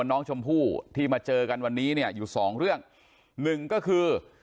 น้องชมพู่ที่มาเจอกันวันนี้เนี่ยอยู่สองเรื่องหนึ่งก็คือ